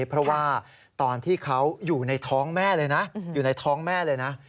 เพราะว่าตอนที่เขาอยู่ในท้องแม่เลยนะ